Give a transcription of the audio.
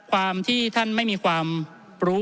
ความที่ท่านไม่มีความรู้